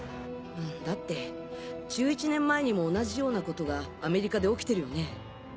うんだって１１年前にも同じようなことがアメリカで起きてるよね。